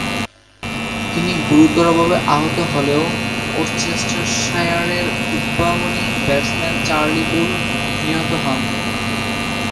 তিনি গুরুতরভাবে আহত হলেও ওরচেস্টারশায়ারের উদ্বোধনী ব্যাটসম্যান চার্লি বুল নিহত হন।